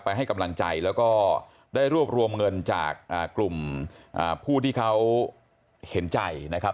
ให้กำลังใจแล้วก็ได้รวบรวมเงินจากกลุ่มผู้ที่เขาเห็นใจนะครับ